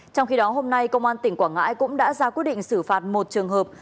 trong khi đó hôm nay công an tỉnh quảng ngãi cũng đã ra quyết định xử phạt một trường hợp